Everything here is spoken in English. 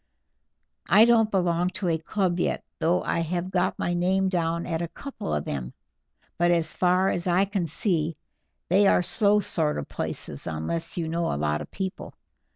I don't belong to a club yet, though I have got my name down at a couple of them, but as far as I can see they are slow sort of places unless you know a lot of people.